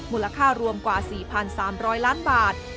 มูลค่ารวมกว่า๔๓๐๐ล้านบาท